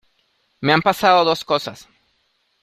me han pasado dos cosas